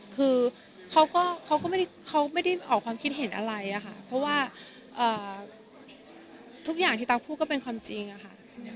คือเขาก็ไม่ได้เขาไม่ได้ออกความคิดเห็นอะไรอะค่ะเพราะว่าทุกอย่างที่ตั๊กพูดก็เป็นความจริงอะค่ะ